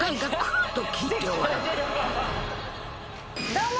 どうも。